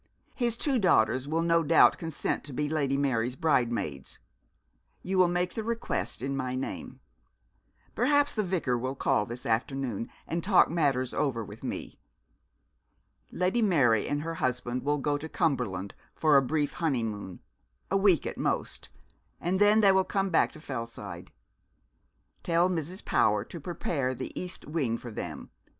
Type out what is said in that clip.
His two daughters will no doubt consent to be Lady Mary's bridesmaids. You will make the request in my name. Perhaps the Vicar will call this afternoon and talk matters over with me. Lady Mary and her husband will go to Cumberland for a brief honeymoon a week at most and then they will come back to Fellside. Tell Mrs. Power to prepare the east wing for them.